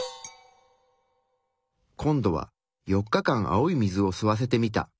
今度は４日間青い水を吸わせてみた。